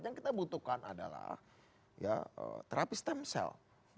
yang kita butuhkan adalah terapi stem cell